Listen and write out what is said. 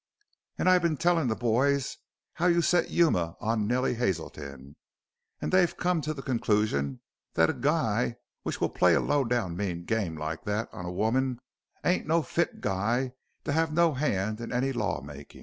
"An' I've been tellin' the boys how you set Yuma on Nellie Hazelton, an' they've come to the conclusion that a guy which will play a low down mean game like that on a woman ain't no fit guy to have no hand in any law makin'."